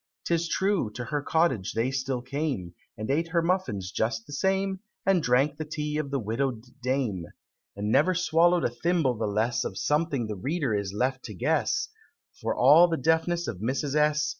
'Tis true, to her cottage still they came, And ate her muffins just the same, And drank the tea of the widow'd Dame, And never swallow'd a thimble the less Of something the Reader is left to guess, For all the deafness of Mrs. S.